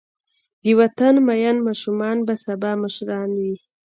د وطن مین ماشومان به سبا مشران وي.